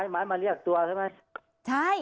ไม้มาเรียกตัวใช่ไหม